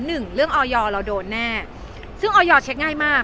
หนึ่งเรื่องออยเราโดนแน่ซึ่งออยเช็คง่ายมาก